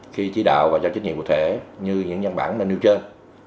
khi chỉ đạo và giao trích nhiệm cụ thể như những dân bản nên nêu trên